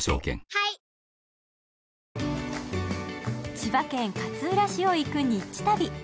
千葉県勝浦市を行くニッチ旅。